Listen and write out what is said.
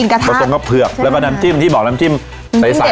กลิ่นกระทับกอศมก็เผือกแล้วก็น้ำจิ้มที่บอกน้ำจิ้มใสใส